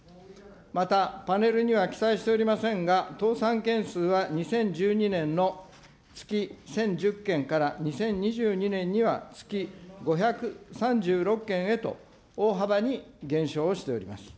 また、パネルには記載しておりませんが、倒産件数は２０１２年の月１０１０件から２０２２年には月５３６件へと大幅に減少をしております。